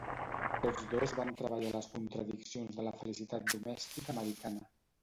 Tots dos van treballar les contradiccions de la felicitat domèstica americana.